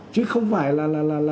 chứ không phải là